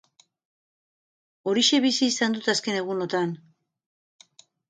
Horixe bizi izan dut azken egunotan.